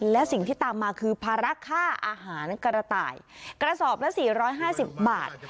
และสิ่งที่ตามมาคือภาระค่าอาหารกระต่ายกระสอบละ๔๕๐บาท